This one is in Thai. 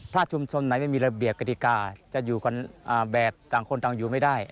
พระชุมศนไหนไม่มีระเบียบกติกาจะอยู่ในแบบพี่อยู่ไม่ได้